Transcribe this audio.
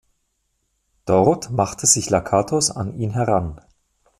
Dort macht sich Lakatos an ihn heran.